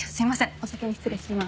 お先に失礼しまーす。